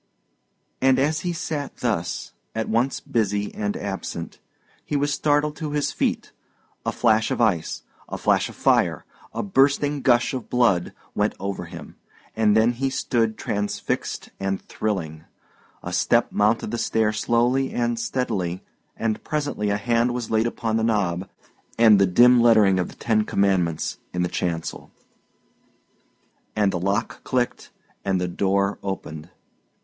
And as he sat thus, at once busy and absent, he was startled to his feet. A flash of ice, a flash of fire, a bursting gush of blood, went over him, and then he stood transfixed and thrilling. A step mounted the stair slowly and steadily, and presently a hand was laid upon the knob, and the lock clicked, and the door opened.